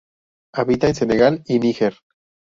Habita en Senegal y Níger.